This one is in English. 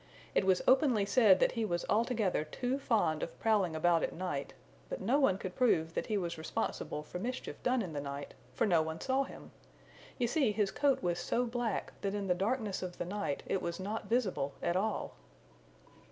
It was openly said that he was altogether too fond of prowling about at night, but no one could prove that he was responsible for mischief done in the night, for no one saw him. You see his coat was so black that in the darkness of the night it was not visible at all.